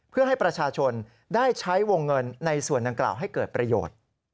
เพื่อให้ประชาชนได้ใช้วงเงินในส่วนดังกล่าวให้เกิดประโยชน์